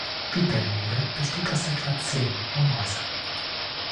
Biebermühle besteht aus etwa zehn Wohnhäusern.